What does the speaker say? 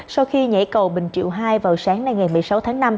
sau khi nhảy cầu bình triệu hai vào sáng nay ngày một mươi sáu tháng năm